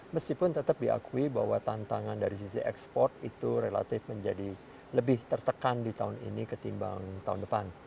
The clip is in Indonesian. meskipun tetap diakui bahwa tantangan dari sisi ekspor itu relatif menjadi lebih tertekan di tahun ini ketimbang tahun depan